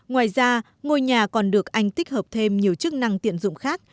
ngoài ra ngôi nhà còn được anh tích hợp thêm nhiều chức năng tiện dụng khác